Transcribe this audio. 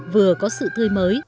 vừa có sự tươi mới